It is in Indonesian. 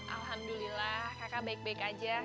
alhamdulillah kakak baik baik aja